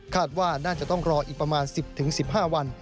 ว่าน่าจะต้องรออีกประมาณ๑๐๑๕วัน